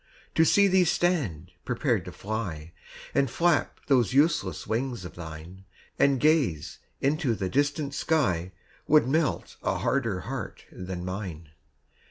To see thee stand prepared to fly, And flap those useless wings of thine, And gaze into the distant sky, Would melt a harder heart than mine.